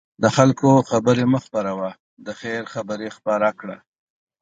د خلکو خبرې مه خپره وه، د خیر خبرې خپره کړه.